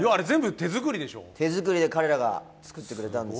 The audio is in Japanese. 手作りで彼らが作ってくれたんです。